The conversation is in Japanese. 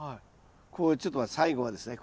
こうちょっと最後はですね